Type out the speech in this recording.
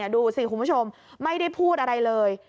ดูสิคุณผู้ชมไม่ได้พูดอะไรเลย